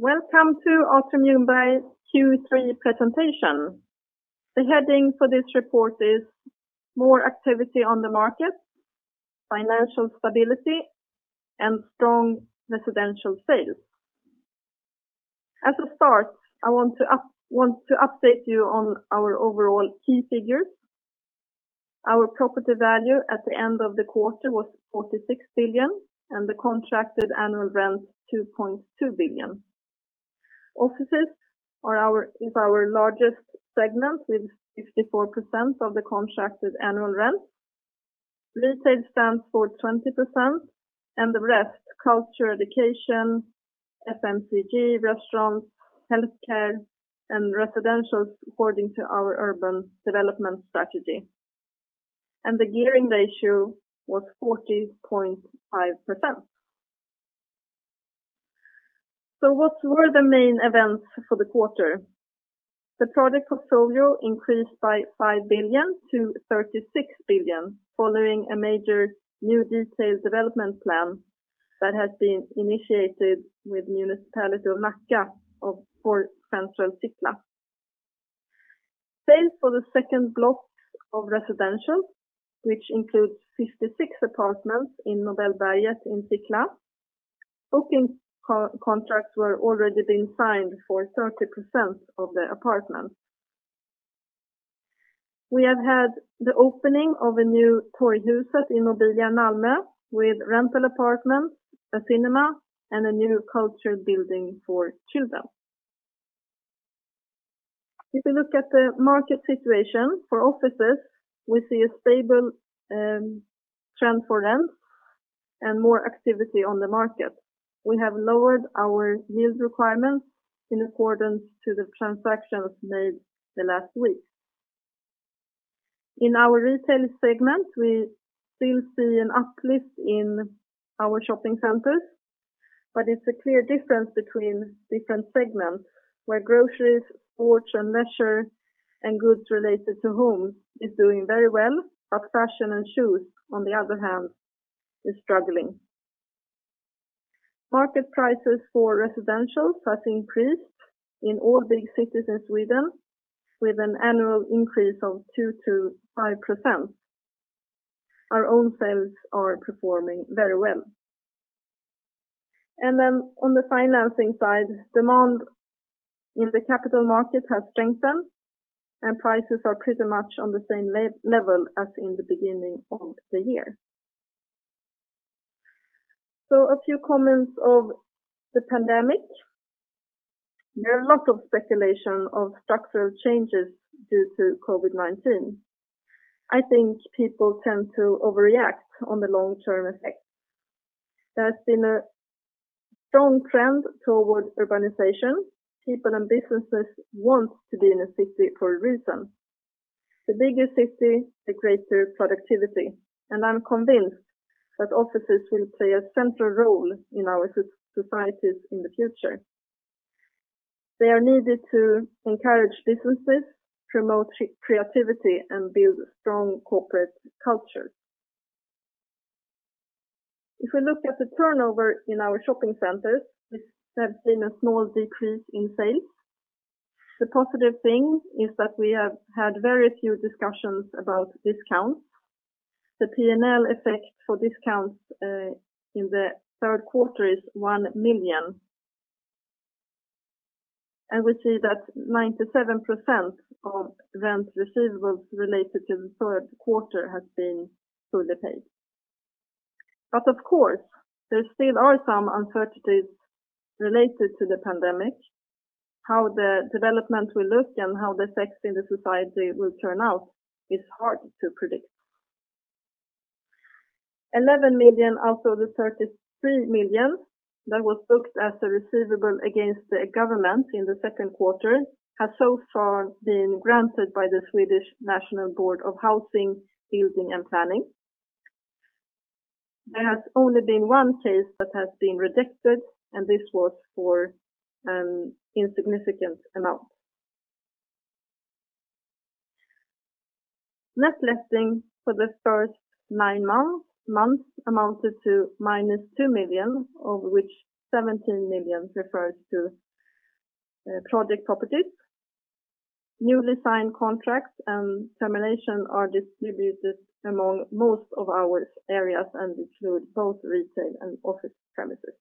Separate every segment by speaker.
Speaker 1: Welcome to Atrium Ljungberg Q3 Presentation. The heading for this report is More Activity on the Market, Financial Stability, and Strong Residential Sales. As a start, I want to update you on our overall key figures. Our property value at the end of the quarter was 46 billion, and the contracted annual rent 2.2 billion. Offices is our largest segment with 54% of the contracted annual rent. Retail stands for 20%, and the rest, culture, education, FMCG, restaurants, healthcare, and residential according to our urban development strategy. The gearing ratio was 40.5%. What were the main events for the quarter? The project portfolio increased by 5 billion-36 billion following a major new detailed development plan that has been initiated with Nacka Municipality for central Sickla. Sale for the second block of residential, which includes 56 apartments in Nobelberget in Sickla. Booking contracts were already being signed for 30% of the apartments. We have had the opening of a new Torghuset in Mobilia, Malmö with rental apartments, a cinema, and a new culture building for children. If you look at the market situation for offices, we see a stable trend for rent and more activity on the market. We have lowered our yield requirements in accordance to the transactions made the last week. In our retail segment, we still see an uplift in our shopping centers, but it's a clear difference between different segments where groceries, sports and leisure, and goods related to home is doing very well, but fashion and shoes, on the other hand, is struggling. Market prices for residential has increased in all big cities in Sweden with an annual increase of 2%-5%. Our own sales are performing very well. On the financing side, demand in the capital market has strengthened, and prices are pretty much on the same level as in the beginning of the year. A few comments of the pandemic. There are a lot of speculation of structural changes due to COVID-19. I think people tend to overreact on the long-term effect. There has been a strong trend towards urbanization. People and businesses want to be in a city for a reason. The bigger city, the greater productivity, and I'm convinced that offices will play a central role in our societies in the future. They are needed to encourage businesses, promote creativity, and build strong corporate culture. If we look at the turnover in our shopping centers, we have seen a small decrease in sales. The positive thing is that we have had very few discussions about discounts. The P&L effect for discounts in the third quarter is 1 million. We see that 97% of rent receivables related to the third quarter has been fully paid. Of course, there still are some uncertainties related to the pandemic. How the development will look and how the effects in the society will turn out is hard to predict. 11 million out of the 33 million that was booked as a receivable against the government in the second quarter has so far been granted by the Swedish National Board of Housing, Building and Planning. There has only been one case that has been rejected. This was for an insignificant amount. Net letting for the first nine months amounted to -2 million, of which 17 million refers to project properties. Newly signed contracts and termination are distributed among most of our areas and include both retail and office premises.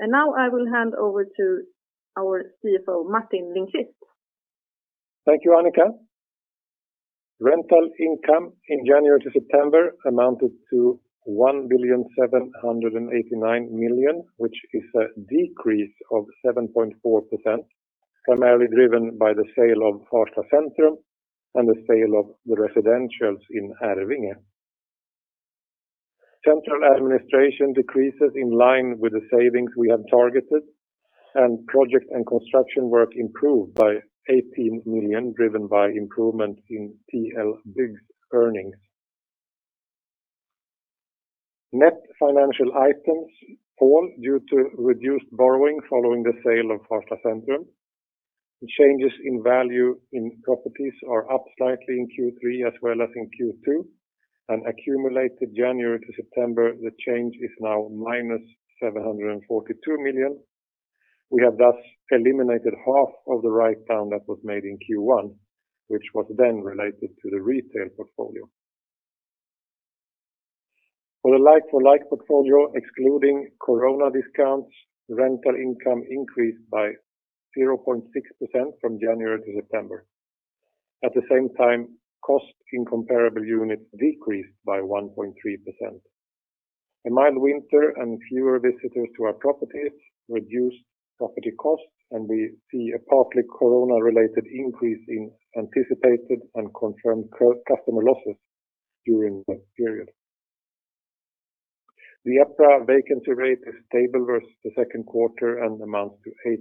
Speaker 1: Now I will hand over to our CFO, Martin Lindqvist.
Speaker 2: Thank you, Annica. Rental income in January to September amounted to 1,789,000,000, which is a decrease of 7.4%, primarily driven by the sale of Farsta Centrum and the sale of the residentials in Arvinge. Central administration decreases in line with the savings we have targeted, and project and construction work improved by 18 million, driven by improvement in TL Bygg's earnings. Net financial items fall due to reduced borrowing following the sale of Farsta Centrum. The changes in value in properties are up slightly in Q3 as well as in Q2, and accumulated January to September, the change is now -742 million. We have thus eliminated half of the write-down that was made in Q1, which was then related to the retail portfolio. For the like-for-like portfolio, excluding corona discounts, rental income increased by 0.6% from January to September. At the same time, cost in comparable units decreased by 1.3%. A mild winter and fewer visitors to our properties reduced property costs, and we see a partly corona-related increase in anticipated and confirmed customer losses during that period. The EPRA vacancy rate is stable versus the second quarter and amounts to 8%.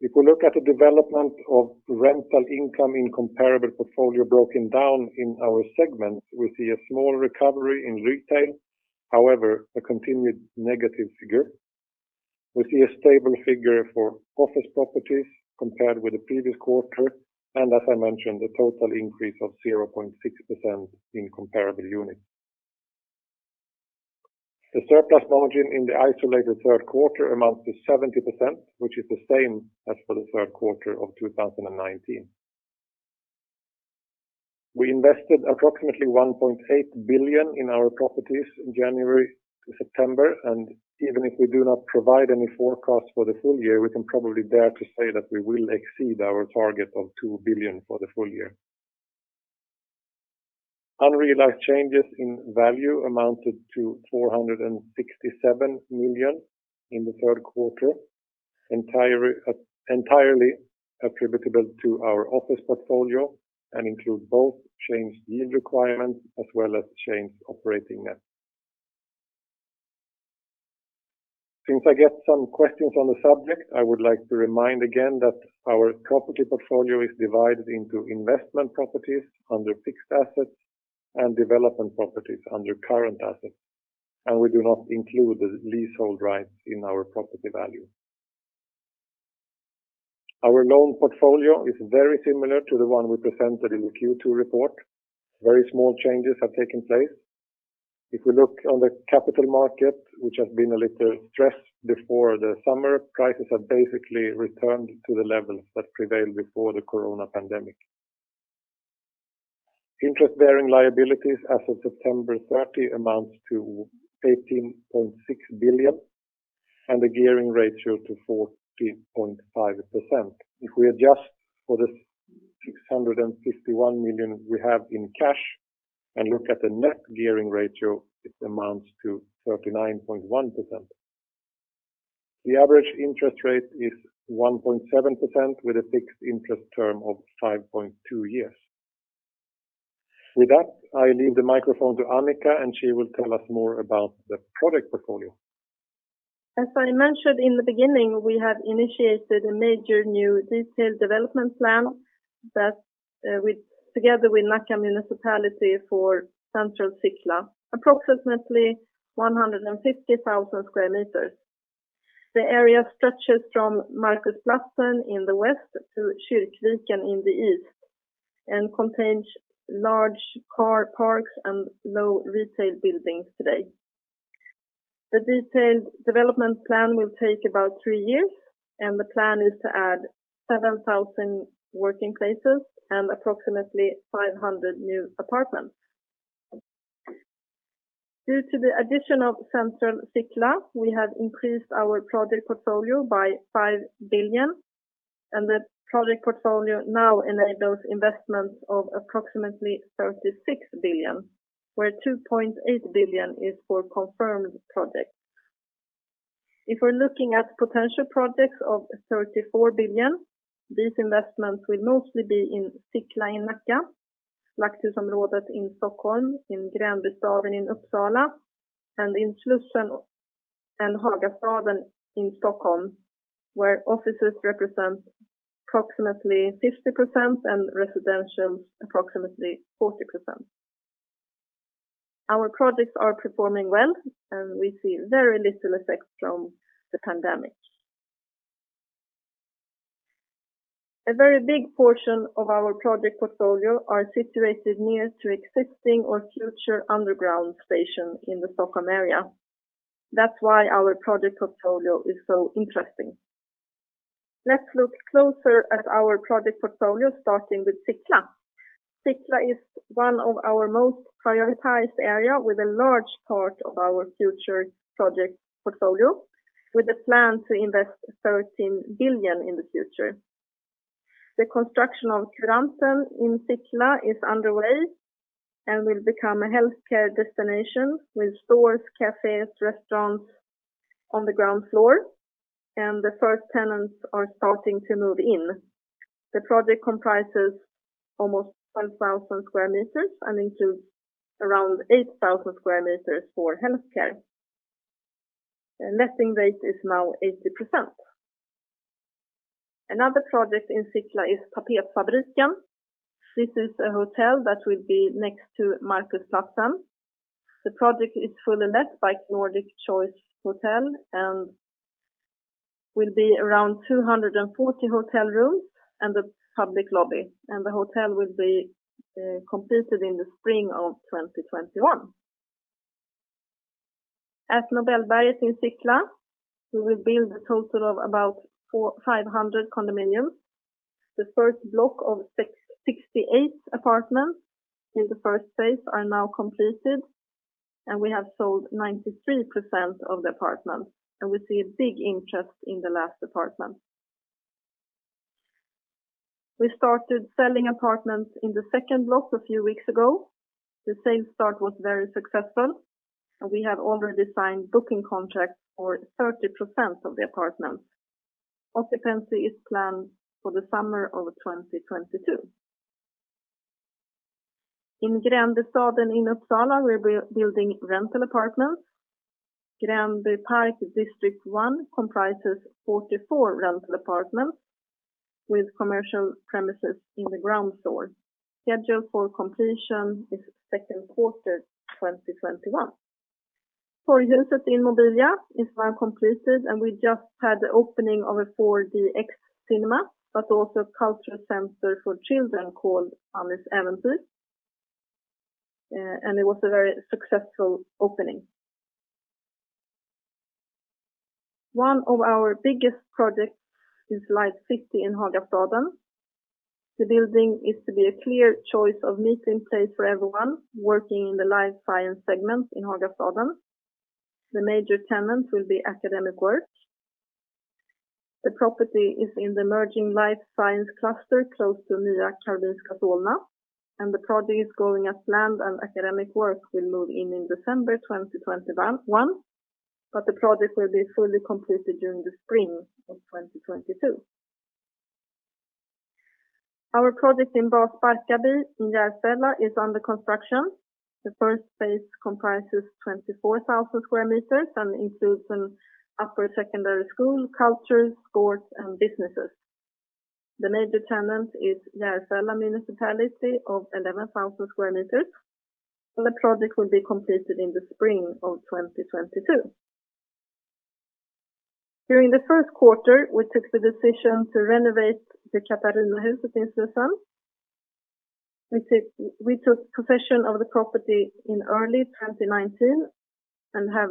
Speaker 2: If we look at the development of rental income in comparable portfolio broken down in our segments, we see a small recovery in retail, however, a continued negative figure. We see a stable figure for office properties compared with the previous quarter, and as I mentioned, a total increase of 0.6% in comparable units. The surplus margin in the isolated third quarter amounts to 70%, which is the same as for the third quarter of 2019. We invested approximately 1.8 billion in our properties in January to September, and even if we do not provide any forecast for the full year, we can probably dare to say that we will exceed our target of 2 billion for the full year. Unrealized changes in value amounted to 467 million in the third quarter, entirely attributable to our office portfolio and include both changed yield requirements as well as changed operating net. Since I get some questions on the subject, I would like to remind again that our property portfolio is divided into investment properties under fixed assets and development properties under current assets, and we do not include the leasehold rights in our property value. Our loan portfolio is very similar to the one we presented in the Q2 report. Very small changes have taken place. If we look on the capital market, which has been a little stressed before the summer, prices have basically returned to the levels that prevailed before the corona pandemic. Interest-bearing liabilities as of September 30th amounts to 18.6 billion and the gearing ratio to 14.5%. If we adjust for the 651 million we have in cash and look at the net gearing ratio, it amounts to 39.1%. The average interest rate is 1.7% with a fixed interest term of 5.2 years. With that, I leave the microphone to Annica and she will tell us more about the product portfolio.
Speaker 1: As I mentioned in the beginning, we have initiated a major new detailed development plan together with Nacka Municipality for central Sickla, approximately 150,000 sq m. The area stretches from Marcusplatsen in the west to Kyrkviken in the east and contains large car parks and low retail buildings today. The detailed development plan will take about three years, and the plan is to add 7,000 working places and approximately 500 new apartments. Due to the addition of central Sickla, we have increased our project portfolio by 5 billion and the project portfolio now enables investments of approximately 36 billion, where 2.8 billion is for confirmed projects. If we're looking at potential projects of 34 billion, these investments will mostly be in Sickla in Nacka, Slakthusområdet in Stockholm, in Gränbystaden in Uppsala, and in Slussen and Hagastaden in Stockholm, where offices represent approximately 50% and residentials approximately 40%. Our projects are performing well, and we see very little effect from the pandemic. A very big portion of our project portfolio are situated near to existing or future underground stations in the Stockholm area. That's why our project portfolio is so interesting. Let's look closer at our project portfolio, starting with Sickla. Sickla is one of our most prioritized areas with a large part of our future project portfolio, with a plan to invest 13 billion in the future. The construction of Curanten in Sickla is underway and will become a healthcare destination with stores, cafes, restaurants on the ground floor, and the first tenants are starting to move in. The project comprises almost 12,000 sq m and includes around 8,000 sq m for healthcare. The letting rate is now 80%. Another project in Sickla is Tapetfabriken. This is a hotel that will be next to Marcusplatsen. The project is fully let by Nordic Choice Hotels and will be around 240 hotel rooms and a public lobby. The hotel will be completed in the spring of 2021. At Nobelberget in Sickla, we will build a total of about 500 condominiums. The first block of 68 apartments in the first phase are now completed, and we have sold 93% of the apartments, and we see a big interest in the last apartments. We started selling apartments in the second block a few weeks ago. The sales start was very successful, and we have already signed booking contracts for 30% of the apartments. Occupancy is planned for the summer of 2022. In Gränbystaden in Uppsala, we are building rental apartments. Gränby Park District 1 comprises 44 rental apartments with commercial premises in the ground floor. Schedule for completion is second quarter 2021. Torghuset in Mobilia is now completed. We just had the opening of a 4DX cinema, but also a cultural center for children called Alice Äventyr. It was a very successful opening. One of our biggest projects is Life City in Hagastaden. The building is to be a clear choice of meeting place for everyone working in the life science segment in Hagastaden. The major tenant will be Academic Work. The property is in the emerging life science cluster close to New Karolinska Solna. The project is going as planned. Academic Work will move in in December 2021. The project will be fully completed during the spring of 2022. Our project in Barkarbystaden in Järfälla is under construction. The first phase comprises 24,000 sq m and includes an upper secondary school, cultures, sports, and businesses. The major tenant is Järfälla Municipality of 11,000 sq m. The project will be completed in the spring of 2022. During the first quarter, we took the decision to renovate the Katarinahuset in Sundbyberg. We took possession of the property in early 2019 and have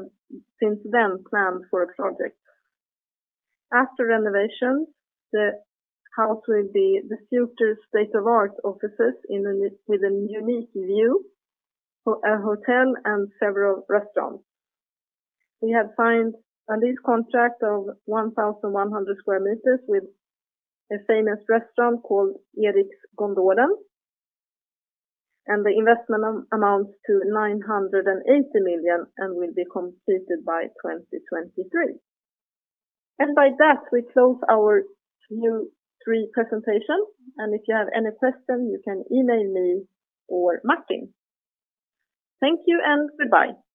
Speaker 1: since then planned for a project. After renovation, the house will be the future state-of-the-art offices with a unique view, a hotel, and several restaurants. We have signed a lease contract of 1,100 sq m with a famous restaurant called Eriks Gondolen, the investment amounts to 980 million and will be completed by 2023. By that, we close our Q3 presentation. If you have any questions, you can email me or Martin. Thank you and goodbye.